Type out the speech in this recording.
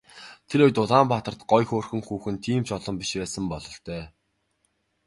Тэр үед Улаанбаатарт гоё хөөрхөн хүүхэн тийм ч олон биш байсан бололтой.